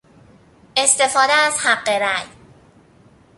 استفاده از حق رای